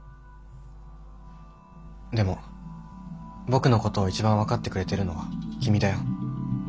でも僕のことを一番分かってくれてるのは君だよ。